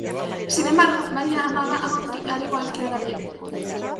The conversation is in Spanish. Sin embargo, Maria amaba a Monty, al igual que a David.